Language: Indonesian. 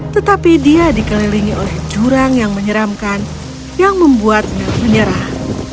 tetapi dia dikelilingi oleh jurang yang menyeramkan yang membuatnya menyerah